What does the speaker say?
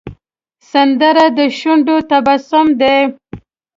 سندره د شونډو تبسم دی